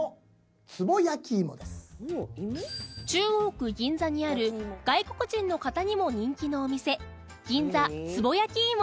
中央区銀座にある外国人の方にも人気のお店銀座つぼやきいも